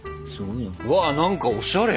うわ何かおしゃれ！